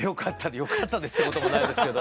「よかったです」ってこともないですけど。